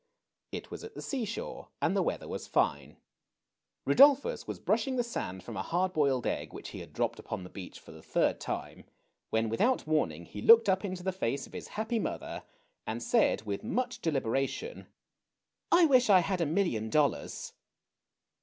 It was at the seashore, and the weather was fine. THE PURSUIT OF HAPPINESS. 229 Kudolphus was brushing the sand from a hard boiled egg, which he had dropped upon the beach for the third time, when, without warning, he looked up into the face of his happy mother and said, with much deliberation : wish I had a million dollars!